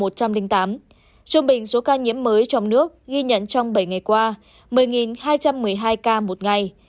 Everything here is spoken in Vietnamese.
trung bình số ca nhiễm mới trong nước ghi nhận trong bảy ngày qua một mươi hai trăm một mươi hai ca một ngày